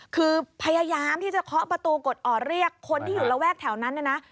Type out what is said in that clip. คือพยายามที่จะเคาะประตูกดออดเรียกคนที่อยู่ระแวกแถวนั้นเนี่ยนะ